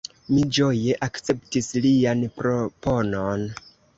Mi ĝoje akceptis lian proponon.